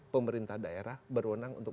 pemerintah daerah berwenang untuk